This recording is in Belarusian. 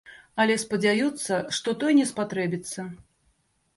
Але спадзяюцца, што той не спатрэбіцца.